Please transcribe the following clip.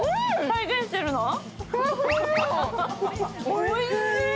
おいしい。